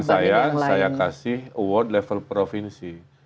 nah di jaman saya saya kasih award level provinsi